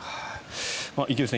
池内さん